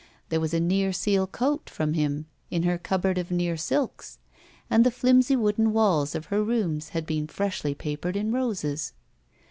There was a near seal coat from him in her cupboard of near silks, and the flimsy wooden walls of her rooms had beer^ freshly papered in roses.